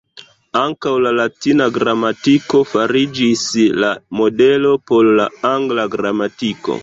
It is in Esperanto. Ankaŭ la latina gramatiko fariĝis la modelo por la angla gramatiko.